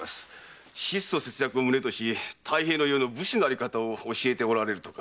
質素・節約を旨とし太平の世の武士のあり方を教えておられると。